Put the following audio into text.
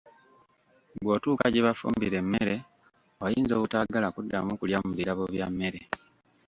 Bwotuuka gye bafumbira emmere oyinza obutaagala kuddamu kulya mu birabo bya mmere.